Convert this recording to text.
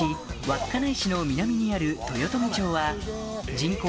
稚内市の南にある豊富町は人口